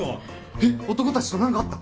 えっ男たちと何かあった？